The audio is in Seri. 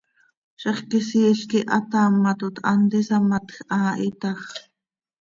Zixquisiil quih hataamatot, hant isamatj haa hi tax.